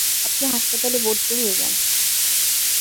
আপনি হাসপাতালে ভরতি হয়ে যান।